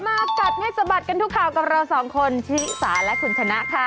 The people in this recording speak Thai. มากัดให้สะบัดกันทุกข่าวกับเราสองคนชิสาและคุณชนะค่ะ